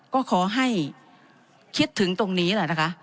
ก็ขอให้คิดถึงตรงนี้แหละนะคะ